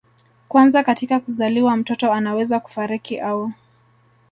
kwanza katika kuzaliwa mtoto anaweza kufariki au